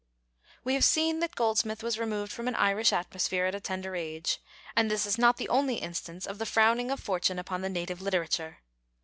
We have seen that Goldsmith was removed from an Irish atmosphere at a tender age, and this is not the only instance of the frowning of fortune upon the native literature.